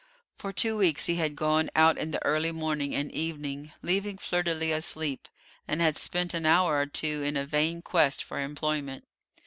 For two weeks he had gone out in the early morning and evening, leaving Fleur de lis asleep, and had spent an hour or two in a vain quest for employment.